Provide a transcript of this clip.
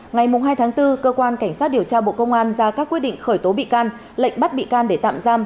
ngày hai tháng bốn cơ quan cảnh sát điều tra bộ công an ra các quyết định khởi tố bị can lệnh bắt bị can để tạm giam